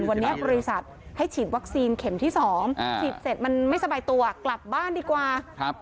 วันนี้บริษัทให้ฉีดวัคซีนเข็มที่๒ฉีดเสร็จมันไม่สบายตัวกลับบ้านดีกว่า